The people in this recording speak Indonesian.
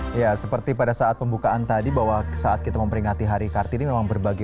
hai ya seperti pada saat pembukaan tadi bahwa saat kita memperingati hari kartini memang berbagai